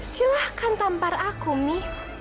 silahkan tampar aku mi